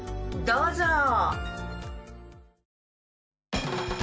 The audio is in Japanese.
どうぞ！